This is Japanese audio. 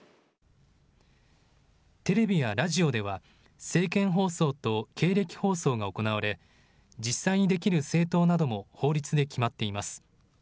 テレビやラジオでは政見放送と経歴放送が行われ実際にできる政党なども法律で決まっています。